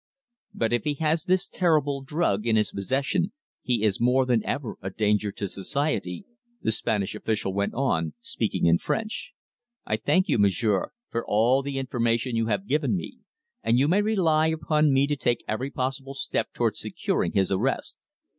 "But if he has this terrible drug in his possession he is more than ever a danger to society," the Spanish official went on, speaking in French. "I thank you, m'sieur, for all the information you have given me, and you may rely upon me to take every possible step towards securing his arrest.